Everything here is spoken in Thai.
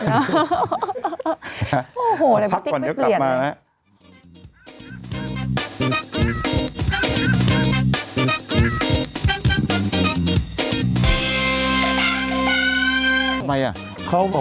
โอ้โหแต่พี่ติ๊กไม่เปลี่ยนพักก่อนเดี๋ยวกลับมานะพักก่อนเดี๋ยวกลับมานะ